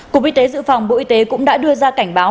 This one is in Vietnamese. cục y tế dự phòng bộ y tế cũng đã đưa ra cảnh báo